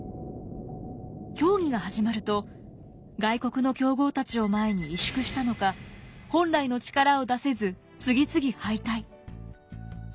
競技が始まると外国の強豪たちを前に萎縮したのか本来の力を出せず次々敗退。